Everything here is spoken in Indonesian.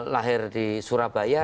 lahir di surabaya